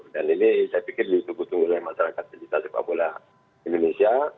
dan ini saya pikir ditunggu tunggu oleh masyarakat sejuta sepak bola indonesia